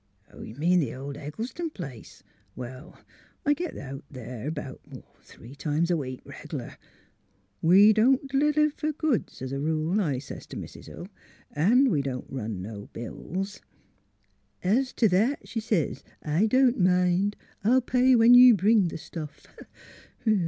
*' You mean t' th' old Eggleston place! Well; I git out there 'bout three times a week reg'lar. ' We don't d 'liver goods, es a rule,' I sez to Mis' Hill, ' an' we don't run no bills.' ' Es t' that,' she sez, * I don't mind. I'll pay when you bring the stuff.'